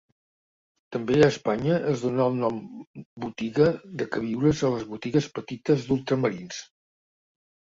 També a Espanya es dóna el nom botiga de queviures a les botigues petites d'ultramarins.